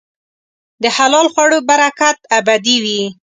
د حلال خوړو برکت ابدي وي.